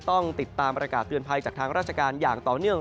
ต้องติดตามประกาศเตือนภัยจากทางราชการอย่างต่อเนื่อง